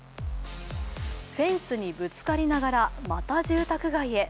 フェンスにぶつかりながらまた住宅街へ。